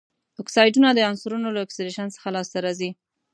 اکسایډونه د عنصرونو له اکسیدیشن څخه لاسته راځي.